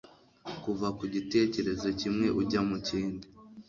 kuva ku gitekerezo kimwe ujya mu kindi